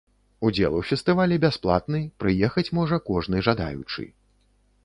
Удзел у фестывалі бясплатны, прыехаць можа кожны жадаючы.